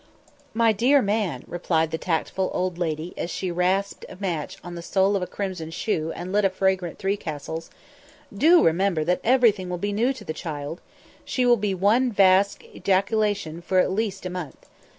"My dear man," replied the tactful old lady as she rasped a match on the sole of a crimson shoe and lit a fragrant Three Castles, "do remember that everything will be new to the child; she will be one vast ejaculation for at least a month.